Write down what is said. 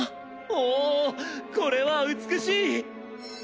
おおこれは美しい！